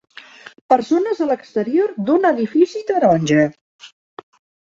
Persones a l'exterior d'un edifici taronja.